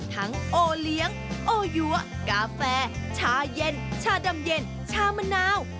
โอเลี้ยงโอยัวกาแฟชาเย็นชาดำเย็นชามะนาว